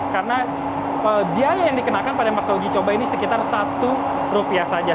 karena biaya yang dikenakan pada masa uji coba ini sekitar rp satu saja